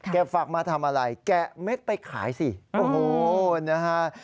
ฝักมาทำอะไรแกะเม็ดไปขายสิโอ้โหนะฮะ